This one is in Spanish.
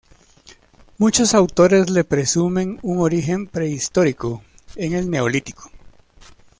Muchos autores le presumen un origen prehistórico, en el Neolítico.